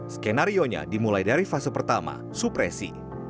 skenarionya dimulai dari fase pertama supresi